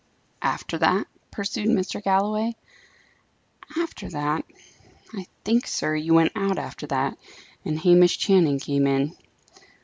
"After that?" pursued Mr. Galloway. "After that? I think, sir, you went out after that, and Hamish Channing came in."